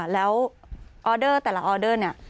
แล้วออเดอร์แต่ละออเดอร์เนี่ย